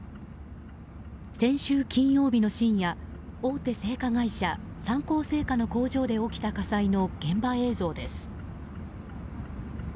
先週金曜日の深夜大手製菓会社、三幸製菓の工場で起きた火災の現場映像です。